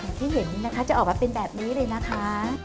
ที่เห็นนี้นะคะจะออกมาเป็นแบบนี้เลยนะคะ